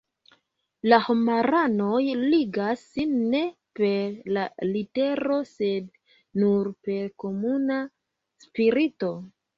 La homaranoj ligas sin ne per la litero sed nur per komuna spirito.